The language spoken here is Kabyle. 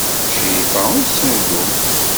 Crifa ur tettnuddum.